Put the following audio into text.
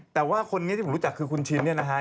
แต่ว่าคนนี้ที่ผมรู้จักคือคุณชินเนี่ยนะฮะ